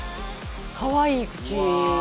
かわいい口。わ。